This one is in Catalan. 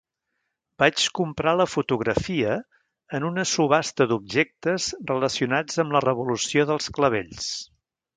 Vaig comprar la fotografia en una subhasta d'objectes relacionats amb la Revolució dels Clavells.